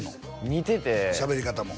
似ててしゃべり方も？